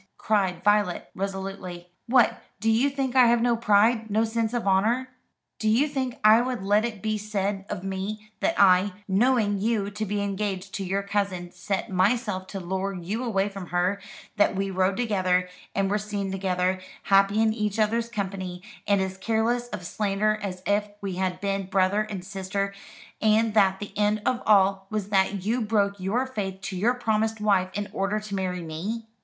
cried Violet resolutely. "What, do you think I have no pride no sense of honour? Do you think I would let it be said of me, that I, knowing you to be engaged to your cousin, set myself to lure you away from her; that we rode together, and were seen together, happy in each other's company, and as careless of slander as if we had been brother and sister; and that the end of all was that you broke your faith to your promised wife in order to marry me?